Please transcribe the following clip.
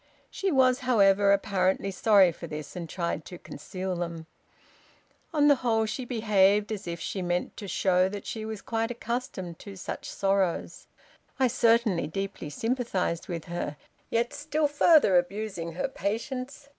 She was, however, apparently sorry for this, and tried to conceal them. On the whole she behaved as if she meant to show that she was quite accustomed to such sorrows. I certainly deeply sympathized with her, yet still further abusing her patience.